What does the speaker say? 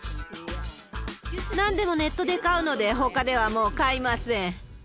なんでもネットで買うので、ほかではもう買いません。